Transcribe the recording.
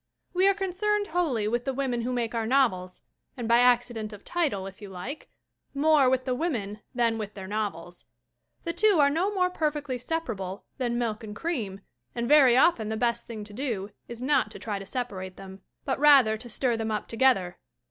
We are concerned wholly with the women who make our novels and, by the accident of title if you like, more with the women than with their novels. The two are no more perfectly separable than milk and cream and very often the best thing to do is not to try to separate them, but rather to stir them up together.